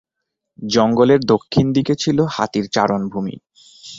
জঙ্গলের দক্ষিণ দিকে ছিল হাতির চারণভূমি।